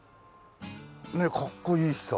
ねえかっこいいしさ。